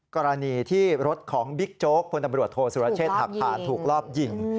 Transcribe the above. กรณีที่รถของบิ๊กโจ๊กพลตำรวจโทษสุรเชษฐหักผ่านถูกรอบยิง